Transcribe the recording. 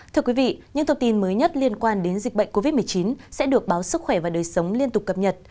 thưa quý vị những thông tin mới nhất liên quan đến dịch bệnh covid một mươi chín sẽ được báo sức khỏe và đời sống liên tục cập nhật